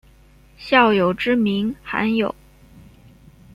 孝友之名罕有。